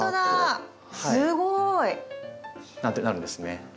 すごい！なんてなるんですね。